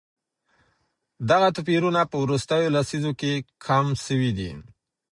دغه توپيرونه په وروستيو لسيزو کي کم سوي دي.